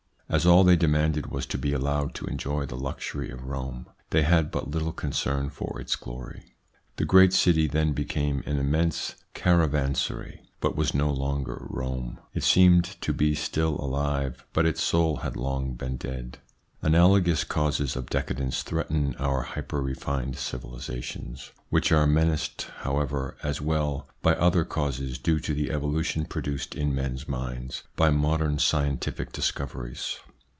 As all they demanded was to be allowed to enjoy the luxury of Rome, they had but little concern for its glory. The great city then became an immense caravansary, but was no longer Rome. It seemed to be still alive, but its soul had long been dead. Analogous causes of decadence threaten our hyper refined civilisations, which are menaced, however, as well by other causes due to the evolution produced in men's minds by modern scientific discoveries.